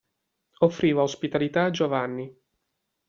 Offriva ospitalità a Giovanni.